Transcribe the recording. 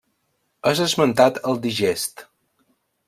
És esmentat al digest.